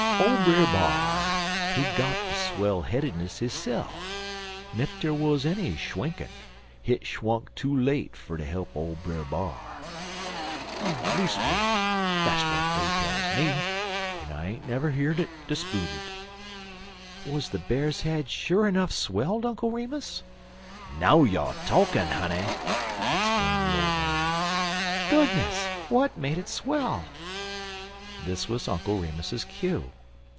Ole Brer B'ar, he got de swell headedness hisse'f, en ef der wuz enny swinkin', hit swunk too late fer ter he'p ole Brer B'ar. Leas'ways dat's w'at dey tells me, en I ain't never yearn it 'sputed." "Was the Bear's head sure enough swelled, Uncle Remus?" "Now you talkin', honey!" exclaimed the old man. "Goodness! what made it swell?" This was Uncle Remus's cue.